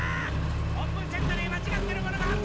オープンセットにまちがってるものがあるぞ！